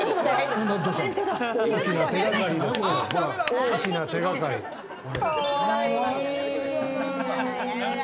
大きな手がかりですよ。